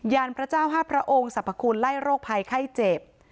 ยานพระเจ้า๕พระองค์สรรพคุณไล่โรคภัยไข้เจ็บ